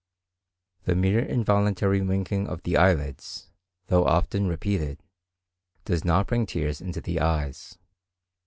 The mere involuntary winking of the eyelids, though often repeated, does not bring tears into the eyes.